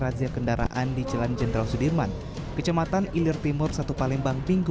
razia kendaraan di jalan jenderal sudirman kecamatan ilir timur satu palembang minggu